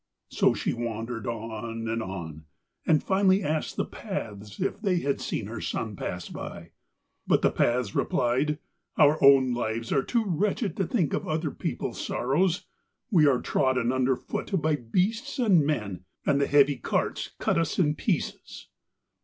So she wandered on and on, and finally she asked the Paths if they had seen her son pass by. But the Paths replied: 'Our own lives are too wretched to think of other people's sorrows. We are trodden under foot by beasts and men, and the heavy carts cut us in pieces.'